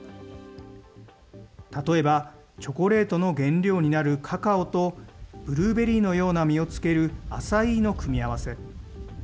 例えばチョコレートの原料になるカカオと、ブルーベリーのような実をつけるアサイーの組み合わせ。